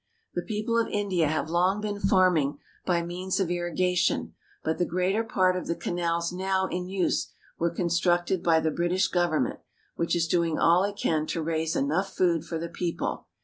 The people of India have long been farming by means of irrigation, but the greater part of the canals now in use were constructed by the British government, which is doing all it can to raise enough food for the people.